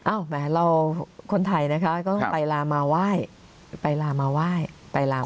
แหมเราคนไทยนะคะก็ต้องไปลามาไหว้ไปลามาไหว้ไปลาม